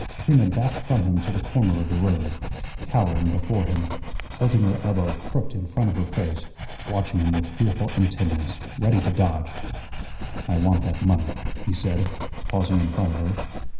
Trina backed from him to the corner of the room, cowering before him, holding her elbow crooked in front of her face, watching him with fearful intentness, ready to dodge. "I want that money," he said, pausing in front of her.